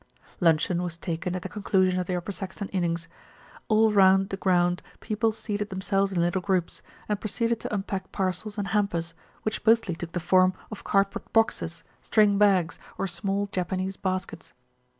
Luncheon was taken at the conclusion of the Upper Saxton innings. All round the ground people seated themselves in little groups, and proceeded to unpack parcels and hampers, which mostly took the form of cardboard boxes, string bags, or small Japanese baskets.